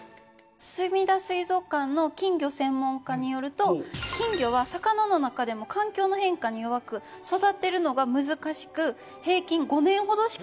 すみだ水族館の金魚専門家によると金魚は魚の中でも環境の変化に弱く育てるのが難しく平均５年ほどしか生きない。